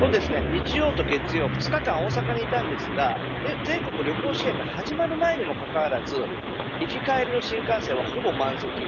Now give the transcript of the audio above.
日曜と月曜２日間、大阪にいたのですが全国旅行支援が始まる前にもかかわらず行き帰りの新幹線はほぼ満席。